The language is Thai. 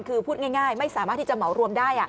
คือพูดง่ายไม่สามารถที่จะเหมารวมได้